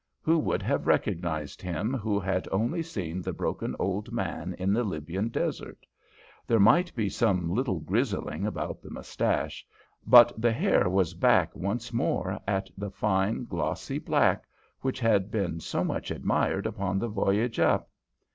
Who would have recognised him who had only seen the broken old man in the Libyan desert? There might be some little grizzling about the moustache, but the hair was back once more at the fine glossy black which had been so much admired upon the voyage up.